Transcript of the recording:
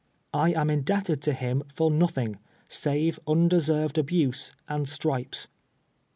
I am indebted to liim for nothing, save unde served abuse and stripes.